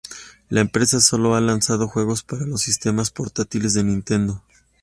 La empresa sólo ha lanzado juegos para los sistemas portátiles de Nintendo.